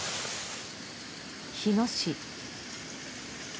日野市。